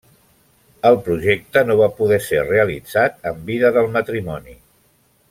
El projecte no va poder ser realitzat en vida del matrimoni.